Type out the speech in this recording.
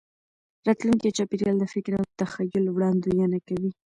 راتلونکي چاپېریال د فکر او تخیل وړاندوینه کوي.